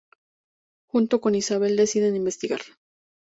Junto con Isabel, deciden investigar.